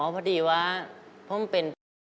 อ๋อพอดีว่าเพราะมันเป็น